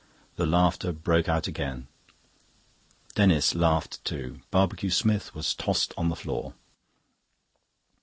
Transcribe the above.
The laughter broke out again. Denis laughed too. Barbecue Smith was tossed on the floor.